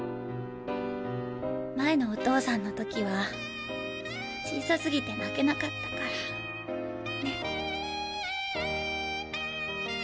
前のお父さんの時は小さすぎて泣けなかったからね。